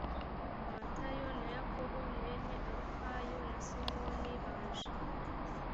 matayo na yakobo mwene alufayo na simoni baje